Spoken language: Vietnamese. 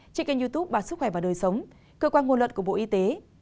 trên kênh youtube bà sức khỏe và đời sống cơ quan ngôn luận của bộ y tế